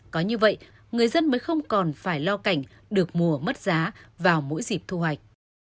có như vậy người dân mới không còn phải lo cảnh được mùa mất giá vào mỗi dịp thu hoạch